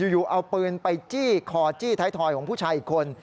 อยู่เอาปืนไปจี้คอจี้ท้ายทอยของผู้ชายอีกคน